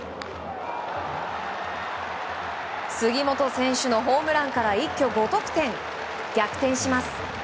杉本選手のホームランから一挙５得点。逆転します。